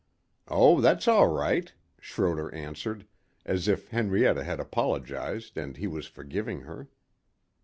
"Oh, that's all right;" Schroder answered, as if Henrietta had apologized and he was forgiving her.